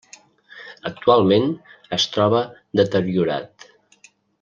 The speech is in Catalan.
Actualment es troba deteriorat.